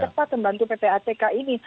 cepat membantu ppatk ini